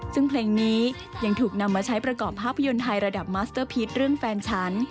ซึ่งเพลงนี้ยังถูกนำมาใช้ประกอบภาพยนตร์ไทยระดับมัสเตอร์พีชเรื่องแฟนฉัน